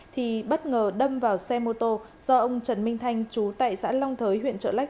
thì bất ngờ đâm vào xe mô tô do ông trần minh thanh chú tại xã long thới huyện trợ lách